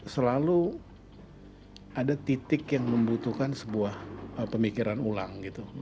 selalu ada titik yang membutuhkan sebuah pemikiran ulang gitu